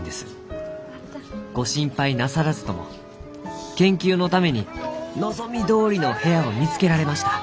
ご心配なさらずとも研究のために望みどおりの部屋を見つけられました。